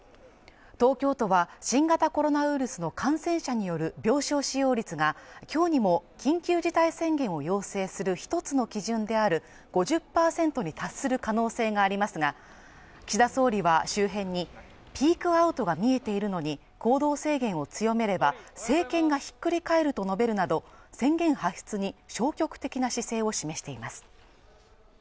東京都は新型コロナウイルスの感染者による病床使用率が今日にも緊急事態宣言を要請する一つの基準である５０％に達する可能性がありますが岸田総理は周辺にピークアウトが見えているのに行動制限を強めれば政権がひっくり返ると述べるなど宣言発出に消極的な姿勢を示しています